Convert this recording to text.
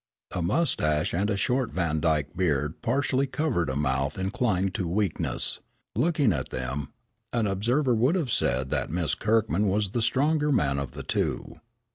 A mustache and a short Vandyke beard partially covered a mouth inclined to weakness. Looking at them, an observer would have said that Miss Kirkman was the stronger man of the two.